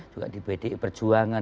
juga di pdi perjuangan